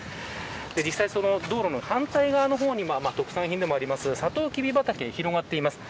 実際、道路の反対側の方に特産品でもあるサトウキビ畑が広がっています。